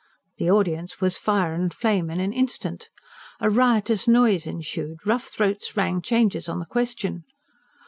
the audience was fire and flame in an instant. A riotous noise ensued; rough throats rang changes on the question.